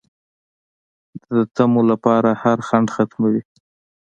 د طمعو لپاره هر خنډ ختموي